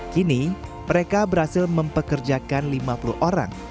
kini mereka berhasil mempekerjakan lima puluh orang